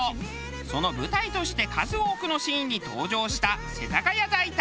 その舞台として数多くのシーンに登場した世田谷代田。